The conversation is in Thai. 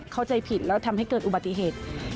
เข้าใจผิดแล้วทำให้เกิดอุบัติเหตุ